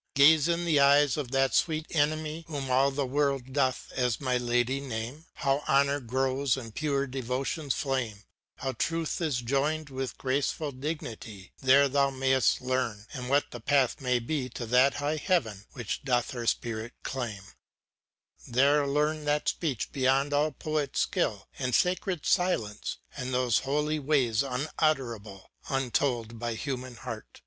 Gaze in the eyes of that sweet enemy ^hom all the world doth as my lady name ! How honor grows ^ and pure devotion^ s flame ^ How truth is joined with graceful dignity^ There thou mayst learn^ and what the path may be To that high heaven which doth her spirit claim ; There learn that speech^ beyond allpoefs skilly And sacred silence^ and those holy ways Unutterable^ untold by human heart.